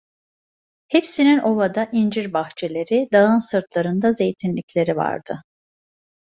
Hepsinin ovada incir bahçeleri, dağın sırtlarında zeytinlikleri vardı.